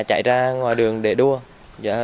chạy ra ngoài đường để đua